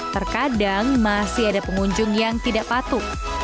terkadang masih ada pengunjung yang tidak patuh